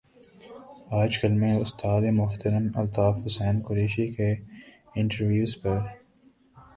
آج کل میں استاد محترم الطاف حسن قریشی کے انٹرویوز پر